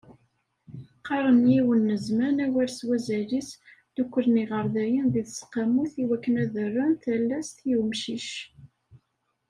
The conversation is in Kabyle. Qarren yiwen n zzman, awal s wazal-is, dduklen iɣerdayen di tseqqamut i wakken ad rren talast i umcic.